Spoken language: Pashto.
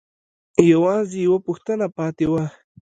يوازې يوه پوښتنه پاتې وه.